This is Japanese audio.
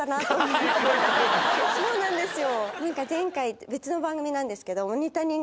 そうなんですよ